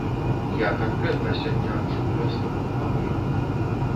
Я канкрэтна сёння адчуў вясну, а вы?